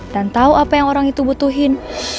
dan tahu apa yang orang itu butuhin